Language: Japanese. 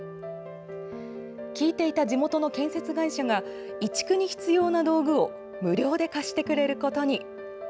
聞いていた地元の建設会社が移築に必要な道具を無料で貸してくれることに。